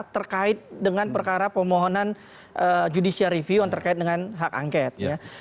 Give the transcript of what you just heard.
terkait dengan perkara pemohonan judicial review yang terkait dengan hak angket